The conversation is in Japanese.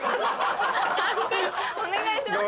判定お願いします。